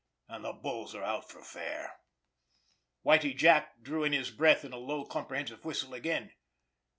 And the bulls are out for fair." Whitie Jack drew in his breath in a low, comprehensive whistle again.